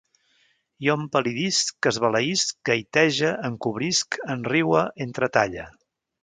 Jo empal·lidisc, esbalaïsc, gaitege, encobrisc, enriue, entretalle